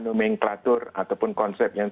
nomenklatur ataupun konsep yang